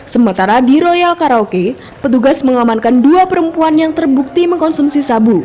sementara di royal karaoke petugas mengamankan dua perempuan yang terbukti mengkonsumsi sabu